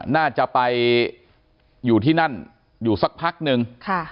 น่าจะไปอยู่ที่นั่นอยู่สักพักนึง